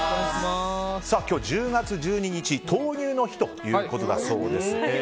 今日１０月１２日豆乳の日ということだそうです。